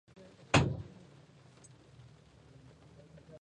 Los jugadores en Negrita llegaron a jugar con su respectiva selección nacional.